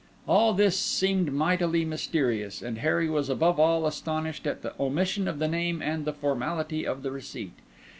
All this seemed mightily mysterious, and Harry was above all astonished at the omission of the name and the formality of the receipt.